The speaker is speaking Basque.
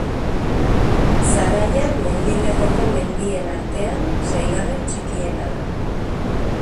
Zaraia mendilerroko mendien artean, seigarren txikiena da.